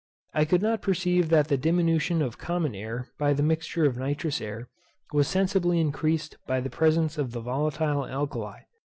I could not perceive that the diminution of common air by the mixture of nitrous air was sensibly increased by the presence of the volatile alkali.